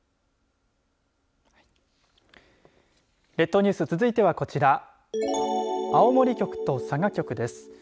列島ニュース続いてはこちら青森局と佐賀局です。